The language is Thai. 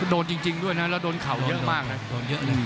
โดนจริงด้วยนะแล้วโดนเข่าเยอะมากนะ